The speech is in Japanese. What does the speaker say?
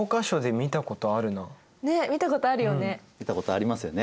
見たことありますよね。